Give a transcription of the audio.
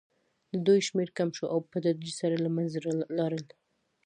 د دوی شمېر کم شو او په تدریج سره له منځه لاړل.